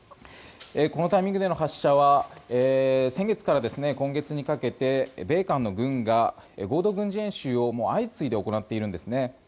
このタイミングでの発射は先月から今月にかけて米韓の軍が合同軍事演習を相次いで行っているんですね。